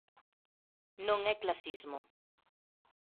Non é clasismo.